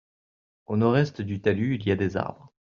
Au nord-est du talus il y a des arbres.